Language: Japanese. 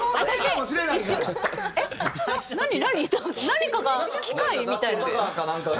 何かが機械？みたいな。